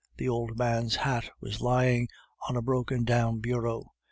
The old man's hat was lying on a broken down bureau.